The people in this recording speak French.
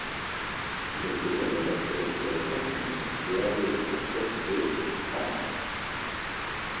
Il a été nommé d'après le fleuve Adige, et avait pour chef-lieu Trente.